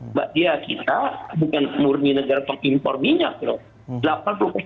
mbak tia kita bukan murni negara untuk impor minyak